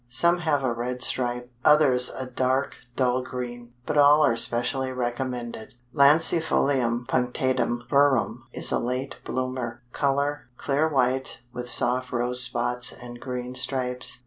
Some have a red stripe, others a dark dull green, but all are specially recommended. Lancifolium Punctatum verum is a late bloomer; color, clear white with soft rose spots and green stripes.